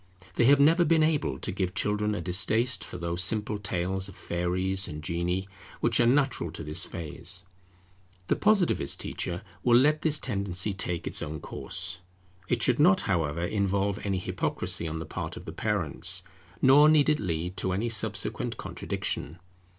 They have never been able to give children a distaste for those simple tales of fairies and genii, which are natural to this phase. The Positivist teacher will let this tendency take its own course. It should not, however, involve any hypocrisy on the part of the parents, nor need it lead to any subsequent contradiction.